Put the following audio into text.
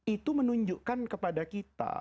itu menunjukkan kepada kita